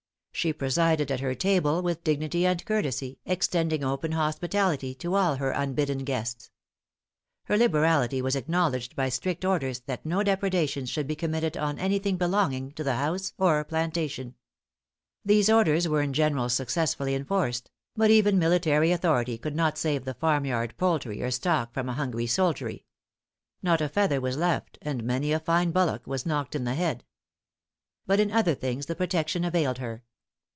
She presided at her table with dignity and courtesy, extending open hospitality to all her unbidden guests. Her liberality was acknowledged by strict orders that no depredations should be committed on any thing belonging to the house or plantation. These orders were in general successfully enforced; but even military authority could not save the farm yard poultry or stock from a hungry soldiery. Not a feather was left, and many a fine bullock was knocked in the head. But in other things the protection availed her.